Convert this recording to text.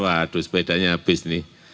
waduh sepedanya habis nih